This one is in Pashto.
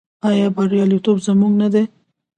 آیا بریالیتوب زموږ نه دی؟